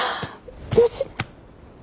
無事。